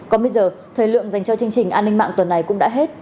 còn bây giờ thời lượng dành cho chương trình an ninh mạng tuần này cũng đã hết